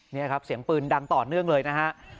นี่ครับเสียงปืนดังต่อเนื่องเลยนะฮะ